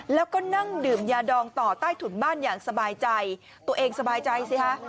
แล้วก็นั่งดื่มยาดองต่อใต้ถุนบ้านอย่างสบายใจตัวเองสบายใจสิฮะ